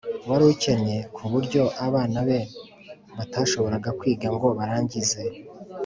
wari ukennye, ku buryo abana be batashoboraga kwiga ngo barangize